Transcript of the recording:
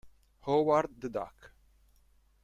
Howard the Duck